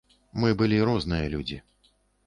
Мы былі розныя людзі.